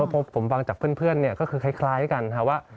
ผมฟังจากเพื่อนเนี่ยก็คือคล้ายกันนะฮะว่า